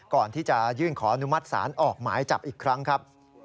ก่อนที่จะยื่นขออนุมัติศาลออกหมายจับอีกครั้งครับ